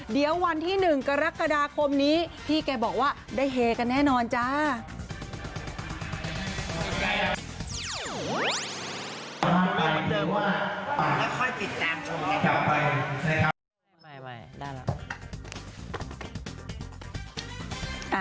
เดี๋ยววันที่๑กรกฎาคมนี้พี่แกบอกว่าได้เฮกันแน่นอนจ้า